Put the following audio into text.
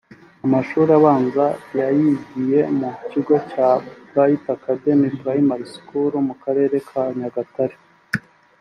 Amashuri abanza yayigiye mu kigo cya "Bright Academy Primary School" mu Karere ka Nyagatare